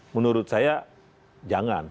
menurut saya jangan